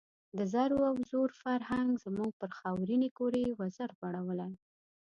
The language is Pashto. د زرو او زور فرهنګ زموږ پر خاورینې کُرې وزر غوړولی.